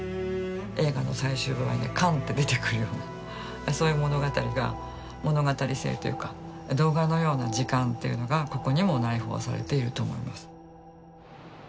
映画の最終場面で「完」って出てくるようなそういう物語が物語性というか動画のような時間というのがここにも内包されていると思います。